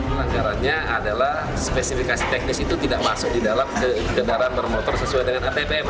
melanggarannya adalah spesifikasi teknis itu tidak masuk di dalam kendaraan motor sesuai dengan appm